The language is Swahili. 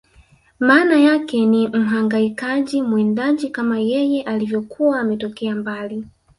Maana yake ni Mhangaikaji Mwindaji kama yeye alivyokuwa ametokea mbali